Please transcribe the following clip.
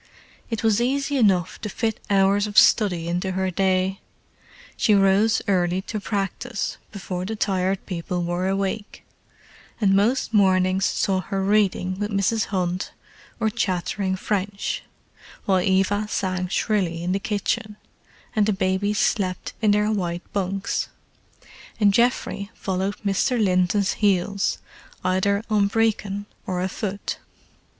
It was easy enough to fit hours of study into her day. She rose early to practise, before the Tired People were awake; and most mornings saw her reading with Mrs. Hunt or chattering French, while Eva sang shrilly in the kitchen, and the babies slept in their white bunks; and Geoffrey followed Mr. Linton's heels, either on Brecon or afoot.